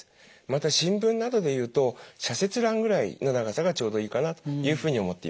また新聞などで言うと社説欄ぐらいの長さがちょうどいいかなというふうに思っています。